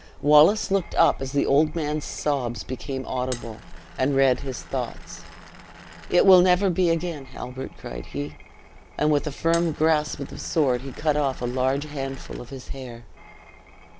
Wallace looked up as the old man's sobs became audible, and read his thoughts: "It will never be again, Halbert," cried he, and with a firm grasp of the sword he cut off a large handful of his hair.